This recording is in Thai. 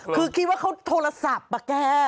คือคิดว่าเขาโทรศัพท์ป่ะแก